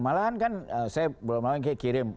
malahan kan saya belum lama kayak kirim